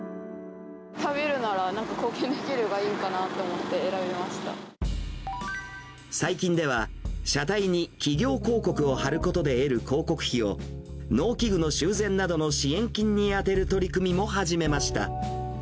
食べるなら貢献できるほうが最近では、車体に企業広告を貼ることで得る広告費を、農機具の修繕などの支援金に充てる取り組みも始めました。